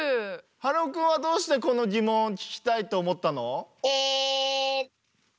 はるおくんはどうしてこのギモンを聞きたいと思ったの？